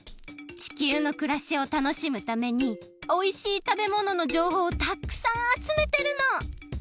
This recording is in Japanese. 地球のくらしを楽しむためにおいしいたべもののじょうほうをたくさんあつめてるの！